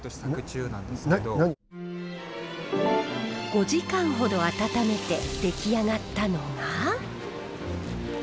５時間ほど温めて出来上がったのが。